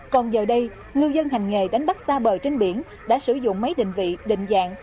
còn giờ đây ngư dân hành nghề đánh bắt xa bờ trên biển đã sử dụng máy định vị định dạng